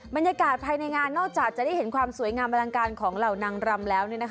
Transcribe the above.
บรรยากาศภายในงานนอกจากจะได้เห็นความสวยงามอลังการของเหล่านางรำแล้ว